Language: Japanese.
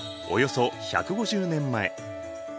およそ１５０年前。